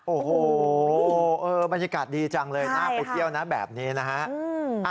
โอ้โหบรรยากาศดีจังเลยน่าไปเที่ยวนะแบบนี้นะฮะ